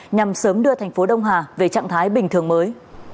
nhằm sớm đưa thành phố đông hà về trạng thái bình thường mới